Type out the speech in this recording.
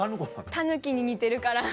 タヌキに似てるから。